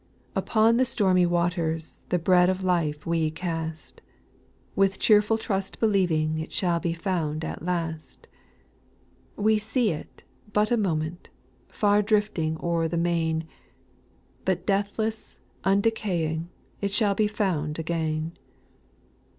TTPON the stormy waters U The bread of life we cast, With cheerful trust believing It shall be found at last. We see it but a moment, Far drifting o'er the main, But deathless, undecaying, It shall be found again.